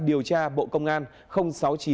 điều tra bộ công an